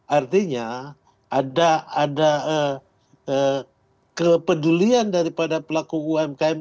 artinya ada ada kepedulian daripada pelaku umkm